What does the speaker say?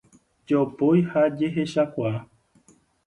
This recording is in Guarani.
Jopói ha jehechakuaa.